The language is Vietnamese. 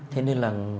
thế nên là